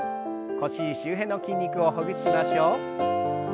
腰周辺の筋肉をほぐしましょう。